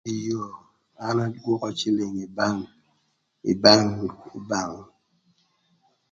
Eyo an agwökö cïlïng ï bank ï bankna